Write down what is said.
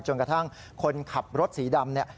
จนกระทั่งคนขับรถสีดำ